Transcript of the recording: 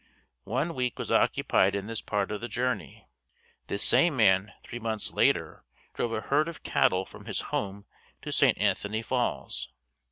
One week was occupied in this part of the journey. This same man three months later drove a herd of cattle from his home to St. Anthony Falls.